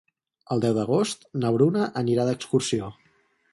El deu d'agost na Bruna anirà d'excursió.